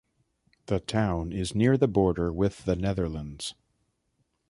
The town is near the border with the Netherlands.